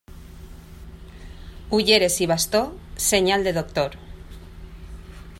Ulleres i bastó, senyal de doctor.